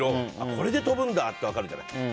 これで飛ぶんだとか分かるじゃない。